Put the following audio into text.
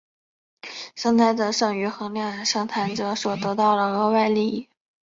生产者剩余衡量生产者所得到的额外利益。